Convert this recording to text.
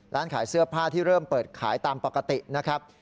ร้านขายเสื้อผ้าที่เริ่มเปิดขายตามปกตินะครับ